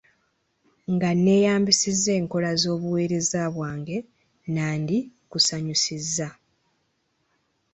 Nga neeyambisizza enkola z'obuweereza bwange, nandikusanyusizza.